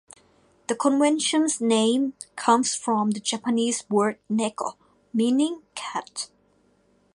The convention's name comes from the Japanese word "neko", meaning "cat".